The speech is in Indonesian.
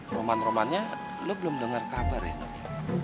roman romannya lo belum dengar kabar ya nanti